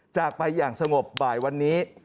จากไปอย่างสงบบ่ายวันนี้